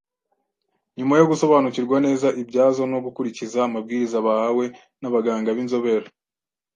nyuma yo gusobanukirwa neza ibyazo no gukurikiza amabwiriza bahawe n’abaganga b’inzobere.